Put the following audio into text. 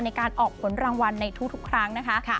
ในการออกผลรางวัลในทุกครั้งนะคะ